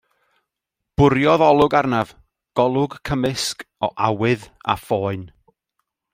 Bwriodd olwg arnaf, golwg cymysg o awydd a phoen.